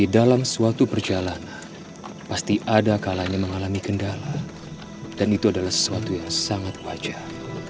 dalam suatu perjalanan pasti ada kalanya mengalami kendala dan itu adalah sesuatu yang sangat wajar